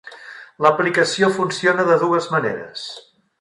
L'aplicació funciona de dues maneres.